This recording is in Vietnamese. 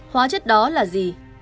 hóa chất đó là gì